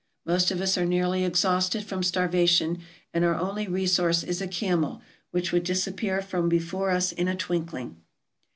Most of us are nearly exhausted from starvation, and our only resource is a camel, which would disappear from before us in a twinkling.